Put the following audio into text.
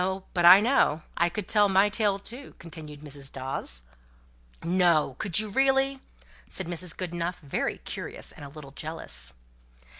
But I know. I could tell my tale too," continued Mrs. Dawes. "No! could you, really?" said Mrs. Goodenough, very curious and a little jealous.